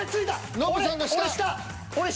ノブさんの下！